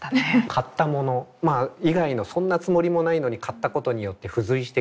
買った物以外のそんなつもりもないのに買ったことによって付随してくるもの。